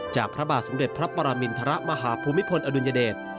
พระบาทสมเด็จพระปรมินทรมาฮภูมิพลอดุลยเดช